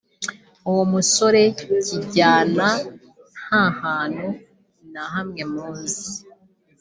uwo musore Kijyana nta hantu na hamwe muzi